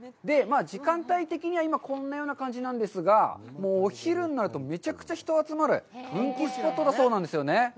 時間帯的には今、こんなような感じなんですが、お昼になるとめちゃくちゃ人が集まる人気スポットだそうなんですね。